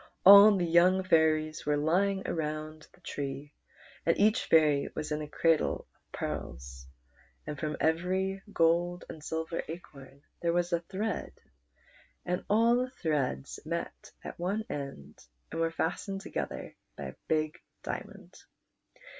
All the young fairies were lyin;^ around the tree, and each fairy was in a cradle of pearls, and from every guld and silver acorn there was 158 PRINCE DO RAN. a thread, and all the threads met at one end and were fastened together by a big diamond.